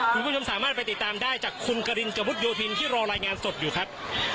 คุณผู้ชมสามารถไปติดตามได้จากคุณกรินกระมุดโยธินที่รอรายงานสดอยู่ครับ